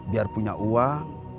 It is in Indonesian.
biar punya uang